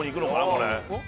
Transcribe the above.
これ。